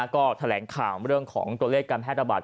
ก็แถลงข่าวเรื่องของตัวเลขการแพร่ระบาด